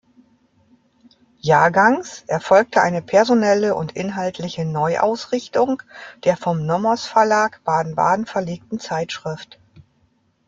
Jahrgangs erfolgte eine personelle und inhaltliche Neuausrichtung der vom Nomos Verlag Baden-Baden verlegten Zeitschrift.